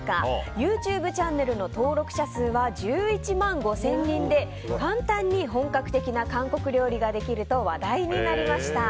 ＹｏｕＴｕｂｅチャンネルの登録者数は１１万５０００人で簡単に本格的な韓国料理ができると話題になりました。